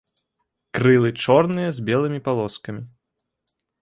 Крылы чорныя з белымі палоскамі.